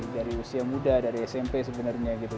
dari usia muda dari smp sebenernya gitu